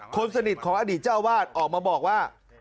คนสนิทของอดีตเจ้าวาดออกมาบอกว่า